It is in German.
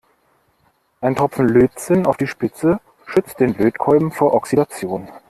Ein Tropfen Lötzinn auf die Spitze schützt den Lötkolben vor Oxidation.